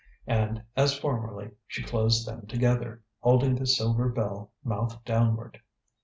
And, as formerly, she closed them together, holding the silver bell, mouth downward.